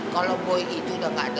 kalau boy itu udah gak jelas